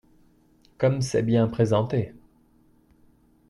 Comme c’est bien présenté